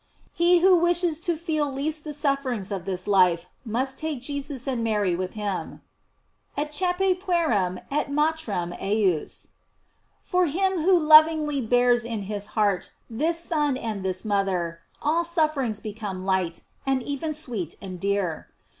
He who wishes to feel least the sufferings of this life, must take Jesus and Mary with him: "Ac cipe puerum et matrem ejus." For him who lovingly bears in his heart this Son and this mother, all sufferings become light, and even sweet and dear.